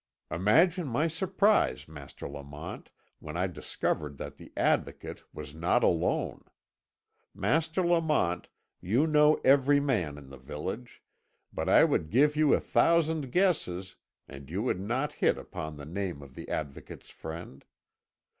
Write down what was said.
Imagine my surprise, Master Lamont, when I discovered that the Advocate was not alone! Master Lamont, you know every man in the village, but I would give you a thousand guesses, and you would not hit upon the name of the Advocate's friend.